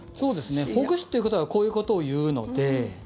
ほぐすということはこういうことを言うので。